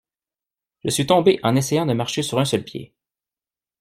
Je suis tombé en essayant de marcher sur un seul pied.